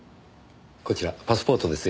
こちらパスポートですよねぇ。